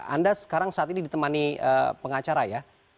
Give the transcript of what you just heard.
anda sekarang saat ini ditemani pengacara ya